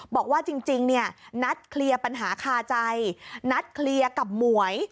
บอกว่าจริงเนี่ยนัดเคลียร์ปัญหาคาใจนัดเคลียร์กับหมวย